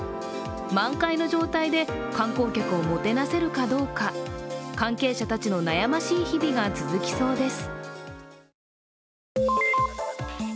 満開の状態で観光客をもてなせるかどうか関係者たちの悩ましい日々が続きそうです。